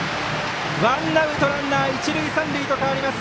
ワンアウトランナー、一塁三塁と変わります。